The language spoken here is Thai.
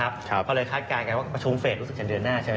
ก็เลยคาดการณ์กันว่าประชุมเฟสรู้สึกจะเดือนหน้าใช่ไหม